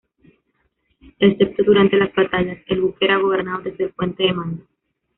Excepto durante las batallas, el buque era gobernado desde el puente de mando.